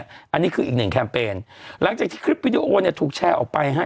อันนี้คืออีกหนึ่งแคมเปญหลังจากที่คลิปวิดีโอเนี่ยถูกแชร์ออกไปฮะ